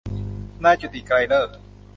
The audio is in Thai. นายจุติ ไกรฤกษ์